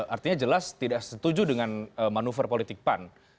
artinya jelas tidak setuju dengan manuver politik pan